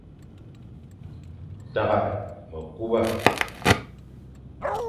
Tagha mekuba.